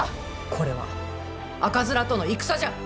これは赤面との戦じゃ。